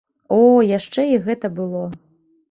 О, яшчэ і гэта было!